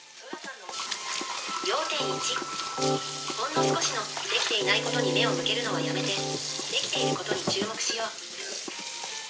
「要点１ほんの少しの出来ていないことに目を向けるのはやめてできていることに注目しよう」。